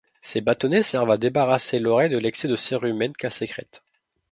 Ces bâtonnets servent à débarrasser l'oreille de l'excès de cérumen qu'elle sécrète.